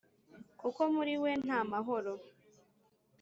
kuko muri we nta mahoro